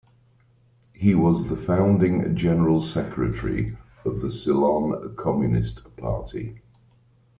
He was the founding General Secretary of the Ceylon Communist Party.